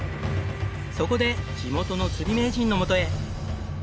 そこで地元の釣り名人のもとへ。